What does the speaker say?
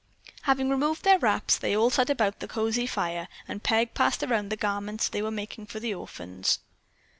Having removed their wraps, they all sat about the cosy fire and Peg passed around the garments they were making for the orphans.